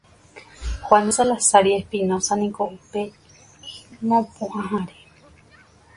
Juan de Salazar y Espinoza niko upe imopuʼãhare.